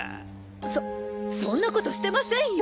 そそんな事してませんよ！！